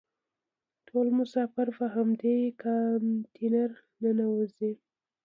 ټول مسافر په همدې کانتینر ننوزي.